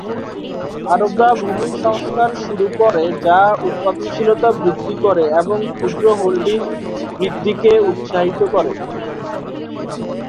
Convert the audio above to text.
আরবরা ভূমি সংস্কার শুরু করে যা উৎপাদনশীলতা বৃদ্ধি করে এবং ক্ষুদ্র হোল্ডিং বৃদ্ধিকে উৎসাহিত করে।